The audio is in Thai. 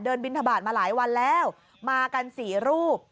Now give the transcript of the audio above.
บินทบาทมาหลายวันแล้วมากันสี่รูป